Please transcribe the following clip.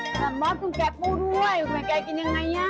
ล่าบอสต้องแกะปูด้วยไหนไกล่กินยังไงนี่